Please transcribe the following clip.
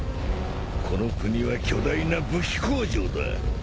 この国は巨大な武器工場だ。